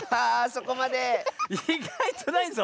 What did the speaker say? いがいとないぞ。